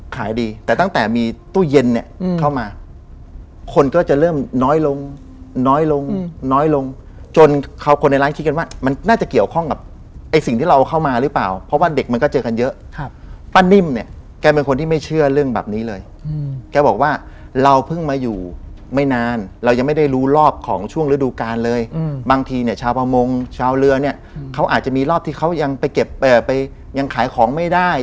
เขาก็รู้สึกแล้วว่าเหมือนโดนอำ